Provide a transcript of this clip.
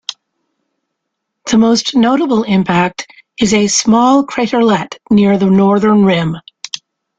The most notable impact is a small craterlet near the northern rim.